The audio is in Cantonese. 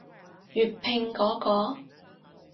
粵拼嗰個？